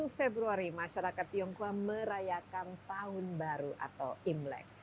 satu februari masyarakat tionghoa merayakan tahun baru atau imlek